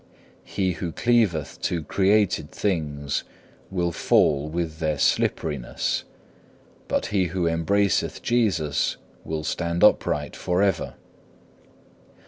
He who cleaveth to created things will fall with their slipperiness; but he who embraceth Jesus will stand upright for ever.